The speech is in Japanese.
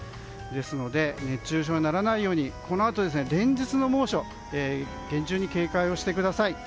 ですので熱中症にならないようにこのあと、連日の猛暑厳重に警戒をしてください。